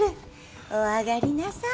お上がりなさい。